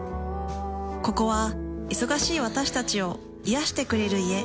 ここは忙しい私たちを癒してくれる家。